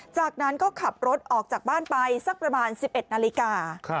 จากนั้นก็ขับรถออกจากบ้านไปสักประมาณ๑๑นาฬิกา